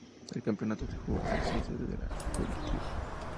El campeonato se jugó en la subsede de Curitiba.